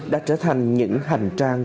đã trở thành những hành trang